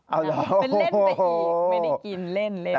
เอาแล้วมันเล่นไปอีกไม่ได้กินเล่น